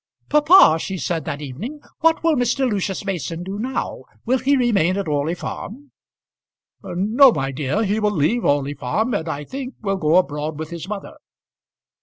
"Papa," said she, that evening, "what will Mr. Lucius Mason do now? will he remain at Orley Farm?" "No, my dear. He will leave Orley Farm, and, I think, will go abroad with his mother."